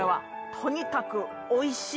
とにかくおいしい。